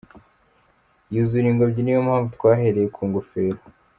yuzura ingobyi Niyo mpamvu twahereye ku ngofero.